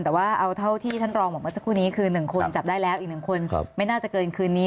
แต่ว่าเอาเท่าที่ท่านรองบอกเมื่อสักครู่นี้คือ๑คนจับได้แล้วอีก๑คนไม่น่าจะเกินคืนนี้